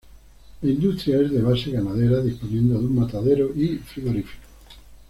La industria es de base ganadera disponiendo de un matadero y frigorífico.